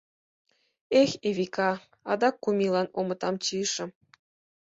Эх, Эвика, адак кум ийлан омытам чийышым.